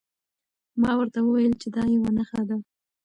ما ورته وویل چې دا یوه نښه ده.